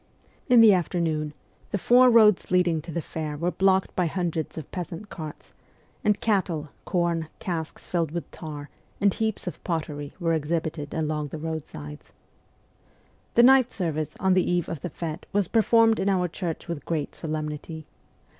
In the afternoon, the four roads leading to the fair were blocked by hundreds of peasant carts, and cattle, corn, casks rilled with tar, and heaps of pottery were exhibited along the roadsides. The night service on the eve of the fete was per formed in our church with great solemnity.